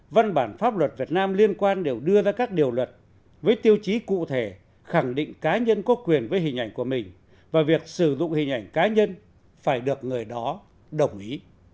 văn bản pháp luật việt nam liên quan đều đưa ra các điều luật với tiêu chí cụ thể khẳng định cá nhân có quyền với hình ảnh của mình và việc sử dụng hình ảnh cá nhân phải được người đó đồng ý